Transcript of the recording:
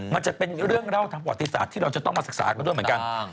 มันจะเป็นเรื่องเล่าทางประวัติศาสตร์ที่เราจะต้องมาศึกษากันด้วยเหมือนกัน